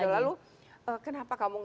lalu kenapa kamu gak